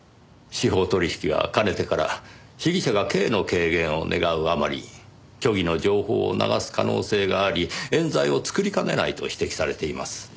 司法取引はかねてから被疑者が刑の軽減を願うあまり虚偽の情報を流す可能性があり冤罪を作りかねないと指摘されています。